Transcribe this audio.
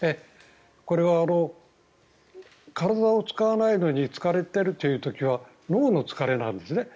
これは体を使わないのに疲れているという時は脳の疲れなんですね。